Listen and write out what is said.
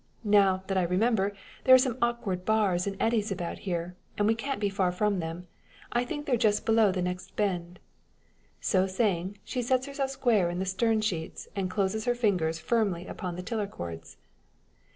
Now, that I remember, there are some awkward bars and eddies about here, and we can't be far from them. I think they're just below the next bend." So saying, she sets herself square in the stern sheets, and closes her fingers firmly upon the tiller cords.